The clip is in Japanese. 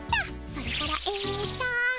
それからえと。